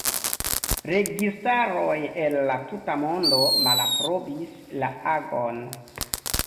Registaroj el la tuta mondo malaprobis la agon.